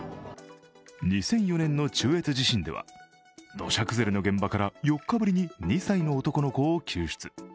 ２００４年の中越地震では土砂崩れの現場から４日ぶりの２歳の男の子を救出。